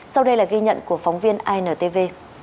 sau đây là ghi nhận của phóng viên intv